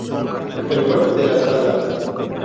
El web de la espalda